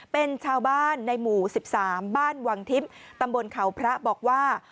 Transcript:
เป็นชาวบ้านในหมู่๑๓บ้านวังทิพย์ตำบลเขาพระบอกว่า